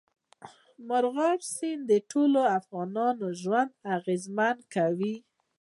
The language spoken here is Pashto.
مورغاب سیند د ټولو افغانانو ژوند اغېزمن کوي.